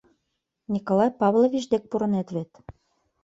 — Николай Павлович дек пурынет вет?